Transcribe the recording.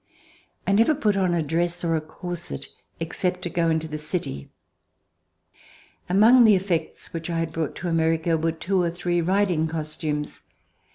I never put on a dress or a corset, except to go into the city. Among the effects which I had brought to America were two or three riding costumes.